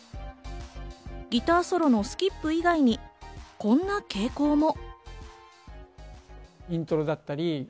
ギターソロのスキップ以外にこんな傾向も。